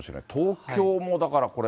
東京もだからこれ、